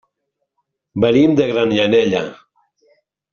Venim de Granyanella.